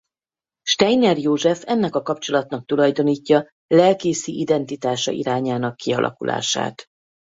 Steiner József ennek a kapcsolatnak tulajdonítja lelkészi identitása irányának kialakulását.